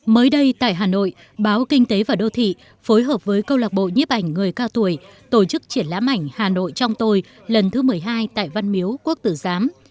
mới đây tại hà nội báo kinh tế và đô thị phối hợp với câu lạc bộ nhiếp ảnh người cao tuổi tổ chức triển lãm ảnh hà nội trong tôi lần thứ một mươi hai tại văn miếu quốc tử giám